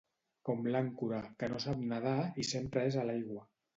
Com l'àncora: que no sap nedar i sempre és a l'aigua.